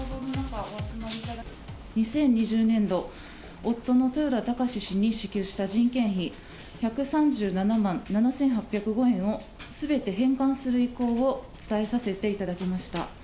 ２０２０年度、夫の豊田貴志氏に支給した人件費１３７万７８０５円をすべて返還する意向を伝えさせていただきました。